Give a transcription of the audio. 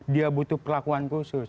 dia butuh perlakuan khusus